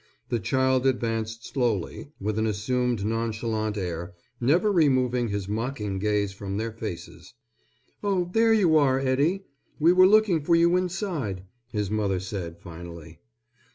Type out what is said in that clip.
The child advanced slowly, with an assumed nonchalant air, never removing his mocking gaze from their faces. "Oh, here you are, Eddie. We were looking for you inside," his mother said finally.